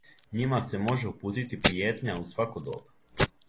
Њима се може упутити пријетња у свако доба.